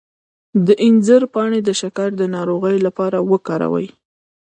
د انځر پاڼې د شکر د ناروغۍ لپاره وکاروئ